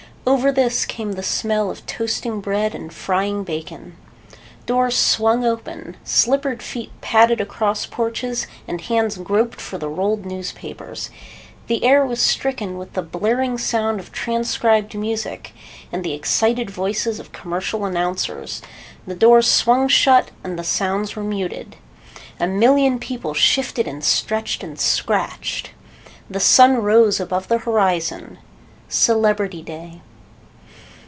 Over this came the smell of toasting bread and frying bacon. Doors swung open, slippered feet padded across porches and hands groped for the rolled newspapers. The air was stricken with the blaring sound of transcribed music and the excited voices of commercial announcers. The doors swung shut and the sounds were muted. A million people shifted and stretched and scratched. The sun rose above the horizon. Celebrity day.